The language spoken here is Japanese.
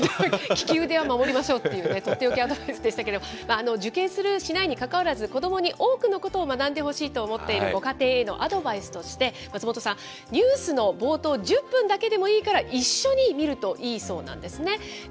利き腕は守りましょうというね、取って置きアドバイスでしたけれども、受験するしないにかかわらず、子どもに多くのことを学んでほしいと思っているご家庭へのアドバイスとして、松本さん、ニュースの冒頭１０分だけでもいいから、一緒に見るといいそうなんですね。